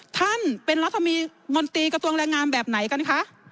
ท่านเป็นรัฐมนตรีมนตรีกระทรวงแรงงานแบบไหนกันคะ